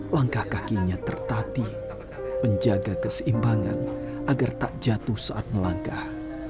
langkah kakinya tertatih menjaga keseimbangan agar tak jatuh saat melangkah